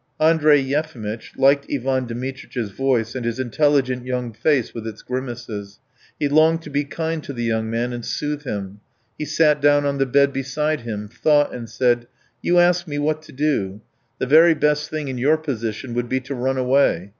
Andrey Yefimitch liked Ivan Dmitritch's voice and his intelligent young face with its grimaces. He longed to be kind to the young man and soothe him; he sat down on the bed beside him, thought, and said: "You ask me what to do. The very best thing in your position would be to run away.